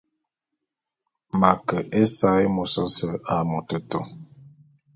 M'a ke ésaé môs ôse a metôtô.